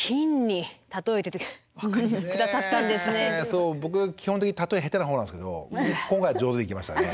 そう僕基本的に例え下手なほうなんですけど今回上手にいきましたね。